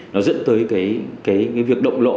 nó dẫn tới cái việc động lộ